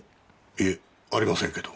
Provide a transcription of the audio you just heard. いえありませんけど。